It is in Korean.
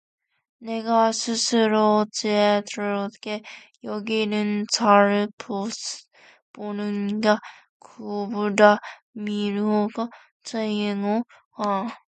네가 스스로 지혜롭게 여기는 자를 보느냐 그보다 미련한 자에게 오히려 바랄 것이 있느니라